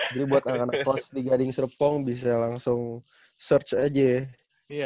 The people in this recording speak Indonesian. jadi buat anak anak kos di gading serpong bisa langsung search aja ya